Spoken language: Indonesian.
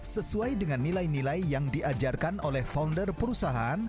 sesuai dengan nilai nilai yang diajarkan oleh founder perusahaan